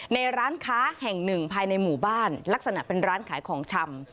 ในร้านค้าแห่งหนึ่งภายในหมู่บ้านลักษณะเป็นร้านขายของชำ